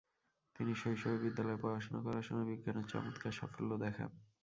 তিনি শৈশবে বিদ্যালয়ে পড়াশোনা করার সময় বিজ্ঞানে চমৎকার সাফল্য দেখান।